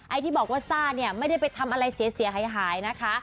ที่บอกว่าซ่าเนี่ยไม่ได้ไปทำอะไรเสียหายนะคะ